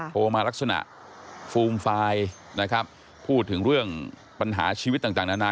โทรมาลักษณะฟูมฟายนะครับพูดถึงเรื่องปัญหาชีวิตต่างนานา